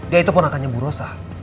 dia itu pun akannya bu rosa